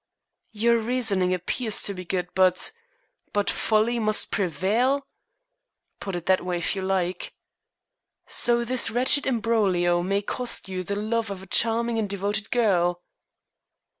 "Your reasoning appears to be good, but " "But folly must prevail?" "Put it that way if you like." "So this wretched imbroglio may cost you the love of a charming and devoted girl?"